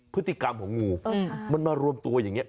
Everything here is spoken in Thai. พฤติกรรมของงูมันมารวมตัวอย่างนี้